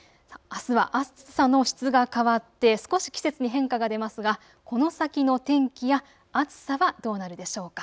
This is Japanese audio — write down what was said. あすは暑さの質が変わって少し季節に変化が出ますがこの先の天気や暑さはどうなるでしょうか。